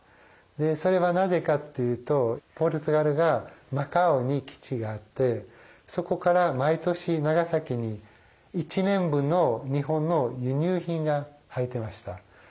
それはなぜかっていうとポルトガルがマカオに基地があってそこから毎年長崎に１年分の日本の輸入品が入ってました。